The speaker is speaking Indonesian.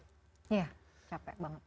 iya capek banget